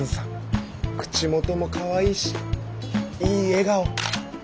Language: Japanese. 口元もかわいいしいい笑顔！